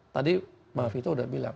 tadi pak fito sudah bilang